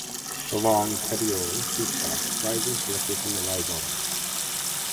The long petiole (leaf stalk) rises directly from the rhizome.